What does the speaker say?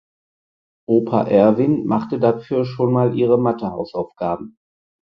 Opa Erwin macht dafür schon mal ihre Mathe Hausaufgaben.